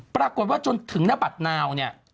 ปรากฏว่าจนถึงนบัตรนาวเนี่ย